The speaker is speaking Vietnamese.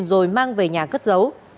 rồi mang về nhà cất giấu